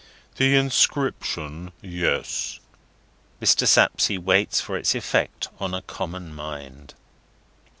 "The Inscription. Yes." Mr. Sapsea waits for its effect on a common mind.